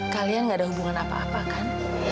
kalian gak ada hubungan apa apa kan